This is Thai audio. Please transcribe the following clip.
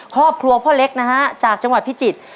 ครอบครัวพ่อเล็กนะฮะจากจังหวัดพิจิตร